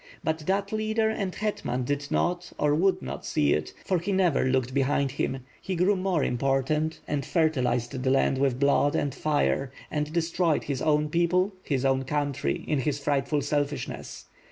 But that loader and hetman did not or would not see it — ^for he never looked behind him. He 598 WITH FIRE AND SWORD, grew more important and fertilized the land with blood, and fire, and destroyed his own people, his own country, in his frightful selfishness.